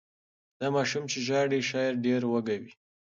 دا ماشوم چې ژاړي شاید ډېر وږی وي.